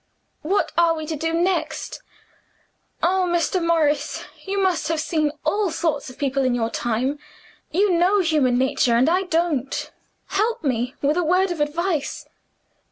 "What are we to do next? Oh, Mr. Morris, you must have seen all sorts of people in your time you know human nature, and I don't. Help me with a word of advice!"